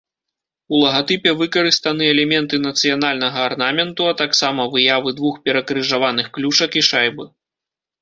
У лагатыпе выкарыстаны элементы нацыянальнага арнаменту, а таксама выявы двух перакрыжаваных клюшак і шайбы.